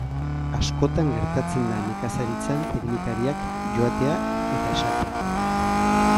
Askotan gertatzen da nekazaritzan teknikariak joatea eta esatea.